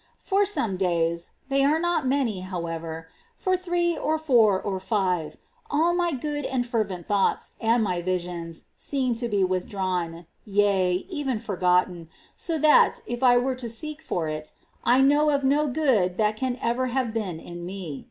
25. For some days — they are not many, however — Submission J ^ J ^ to the wiu for three, or four, or five, all my good and fervent thoughts, and my visions, seem to be withdrawn, yea, even forgotten, so that, if I were to seek for it, I know of no good that can ever have been in me.